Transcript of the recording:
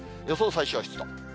予想最小湿度。